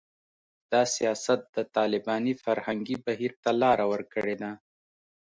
دا سیاست د طالباني فرهنګي بهیر ته لاره ورکړې ده